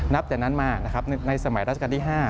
นับแต่นั้นมาในสมัยราชกาลที่๕